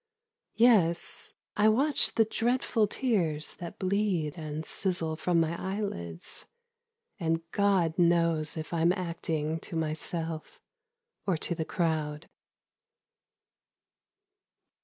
Yes, I watch the dreadful tears that bleed and sizzle from my eyelids : And God knows if I'm acting to myself or to the crowd.